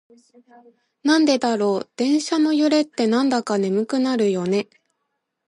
なんでだろう、電車の揺れってなんだか眠くなるよね。